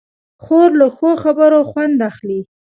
خور له ښو خبرو خوند اخلي.